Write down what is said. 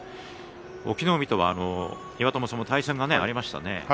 隠岐の海とは岩友さんも対戦がありましたね。